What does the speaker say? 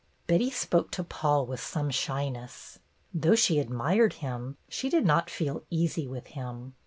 Betty spoke to Paul with some shyness. Though she admired him, she did not feel easy with him.